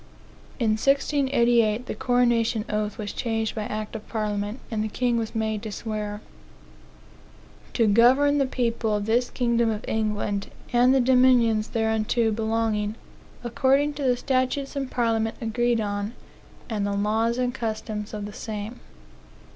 82. In 1688, the coronation oath was changed by act of Parliament, and the king was made to swear: "To govern the people of this kingdom of England, and the dominions thereto belonging, according to the statutes in Parliament agreed on, and the laws and customs of the same."